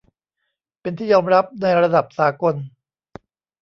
เป็นที่ยอมรับในระดับสากล